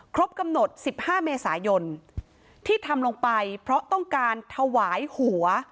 ครบกำหนด๑๕เมษายนที่ทำลงไปเพราะต้องการถวายหัว